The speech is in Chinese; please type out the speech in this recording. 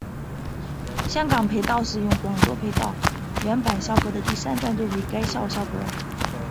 香港培道使用广州培道原版校歌的第三段作为该校校歌。